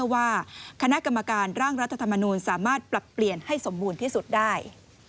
ว่าคณะกรรมการร่างรัฐธรรมนูลสามารถปรับเปลี่ยนให้สมบูรณ์ที่สุดได้